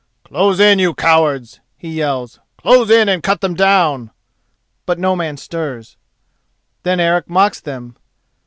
"Close in, you cowards!" he yells, "close in and cut them down!" but no man stirs. Then Eric mocks them.